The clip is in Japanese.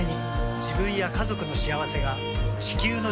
自分や家族の幸せが地球の幸せにつながっている。